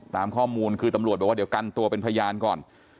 ตามข้อมูลคือตำรวจบอกว่าเดี๋ยวกันตัวเป็นพยานก่อน